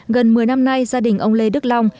gần một mươi năm nay gia đình ông lê đức long